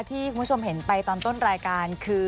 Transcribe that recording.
ที่คุณผู้ชมเห็นไปตอนต้นรายการคือ